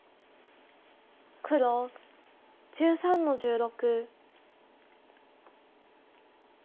黒１３の十六。